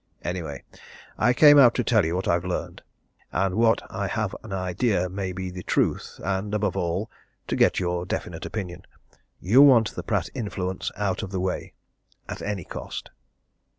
Anyway, I came out to tell you what I've learned, and what I have an idea may be the truth, and above all, to get your definite opinion. You want the Pratt influence out of the way at any cost?"